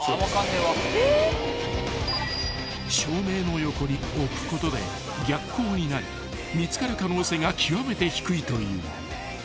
［照明の横に置くことで逆光になり見つかる可能性が極めて低いという］